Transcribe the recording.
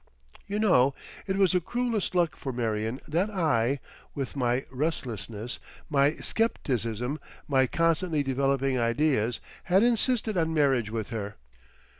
You know, it was the cruelest luck for Marion that I, with my restlessness, my scepticism, my constantly developing ideas, had insisted on marriage with her.